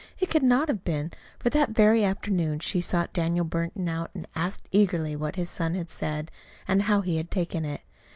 It could not have been; for that very afternoon she sought Daniel Burton out and asked eagerly what his son had said, and how he had taken it.